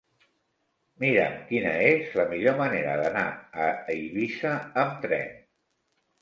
Mira'm quina és la millor manera d'anar a Eivissa amb tren.